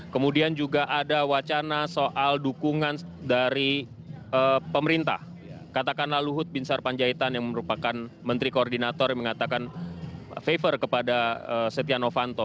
kemudian juga ada wacana soal dukungan dari pemerintah katakanlah luhut bin sarpanjaitan yang merupakan menteri koordinator yang mengatakan favor kepada setia novanto